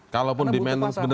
kalau pun di manage